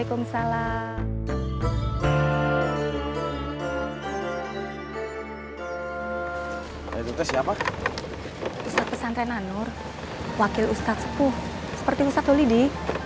ustadz pesantren anur wakil ustadz sepuh seperti ustadz lulidi